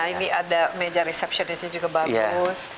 ini ada meja resepsi di sini juga bagus